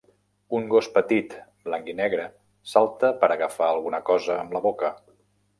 un gos petit blanc i negre salta per agafar alguna cosa amb la boca.